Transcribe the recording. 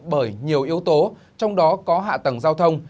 bởi nhiều yếu tố trong đó có hạ tầng giao thông